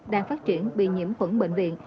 đang phát triển bị nhiễm khuẩn bệnh viện